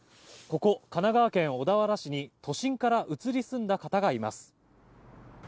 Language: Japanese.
ここ、神奈川県小田原市に都心から移り住んだ方がいます。